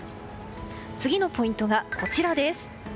次のポイントがこちらです。